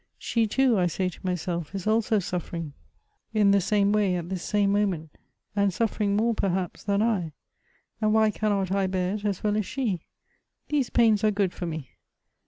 She too, I say to myself is also suffering in the same way at this same moment, and suffering more perhaps than I ; and why cannot I bear it as well as she ? These pains are good for me.